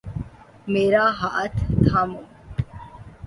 میرا ہاتھ تھامو۔